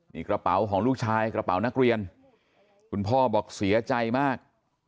นี่กระเป๋าของลูกชายกระเป๋านักเรียนคุณพ่อบอกเสียใจมาก